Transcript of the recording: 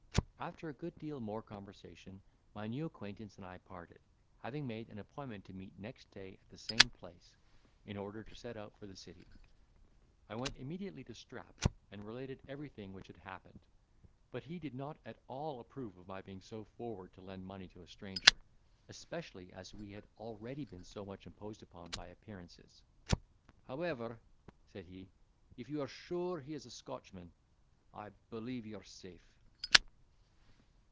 After a good deal more conversation, my new acquaintance and I parted, having made an appointment to meet next day at the same place; in order to set out for the city. I went immediately to Strap and related everything which had happened, but he did not at all approve of my being so forward to lend money to a stranger, especially as we had already been so much imposed upon by appearances. "However," said he, "if you are sure he is a Scotchman, I believe you are safe."